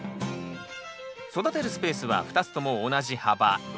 育てるスペースは２つとも同じ幅６０ｃｍ。